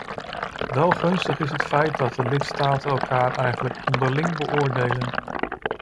Wel gunstig is het feit dat de lidstaten elkaar eigenlijk onderling beoordelen.